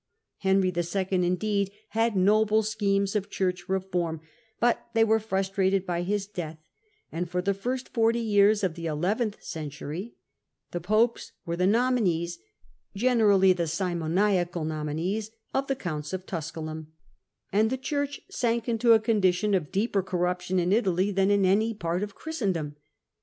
Henry II., indeed, had noble schemes of Church reform, but they were frustrated by his death 5 and for the first forty years of the eleventh century the popes were the nominees — generally the simoniacal nominees— of the counts of Tusculum, and the Church sank into a condition of deeper corruption in Italy than in any part of Christendom.